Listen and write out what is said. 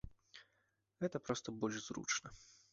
Гэта проста больш зручна.